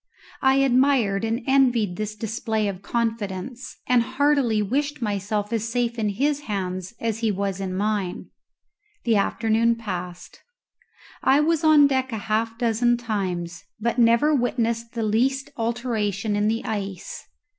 I admired and envied this display of confidence, and heartily wished myself as safe in his hands as he was in mine. The afternoon passed. I was on deck a half dozen times, but never witnessed the least alteration in the ice.